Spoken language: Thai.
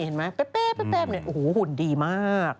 เห็นไหมแป๊บแบบนี่โอ้โฮหุ่นดีมาก